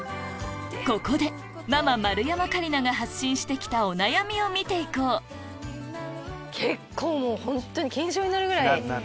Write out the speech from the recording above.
ここでママ丸山桂里奈が発信してきたお悩みを見ていこう腱鞘炎になるぐらい。